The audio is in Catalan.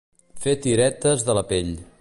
Fer tiretes de la pell.